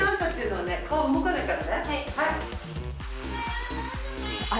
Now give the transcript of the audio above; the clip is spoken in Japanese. はい。